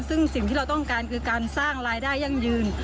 ซึ่งสิ่งที่เราต้องการคือการสร้างรายได้ยั่งยืน